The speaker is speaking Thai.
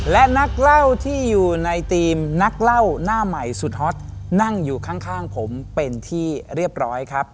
และนักเล่าที่อยู่ในทีมนักเล่าหน้าใหม่สุดฮอตนั่งอยู่ข้างผมเป็นที่เรียบร้อยครับ